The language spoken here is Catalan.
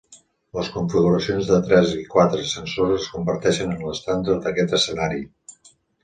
Les configuracions de tres i quatre sensors es converteixen en l’estàndard d’aquest escenari.